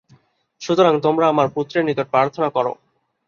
সুতরাং তোমরা আমার পুত্রের নিকট প্রার্থনা কর।